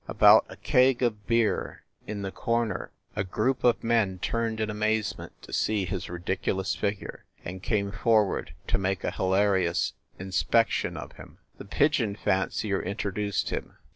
About a keg of beer in the corner a THE LIARS CLUB 57 group of men turned in amazement to see his ridic ulous figure, and came forward to make a hilarious inspection of him. The pigeon fancier introduced him.